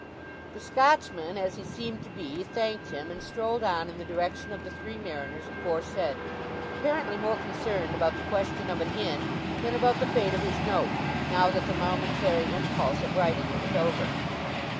The Scotchman, as he seemed to be, thanked him, and strolled on in the direction of the Three Mariners aforesaid, apparently more concerned about the question of an inn than about the fate of his note, now that the momentary impulse of writing it was over.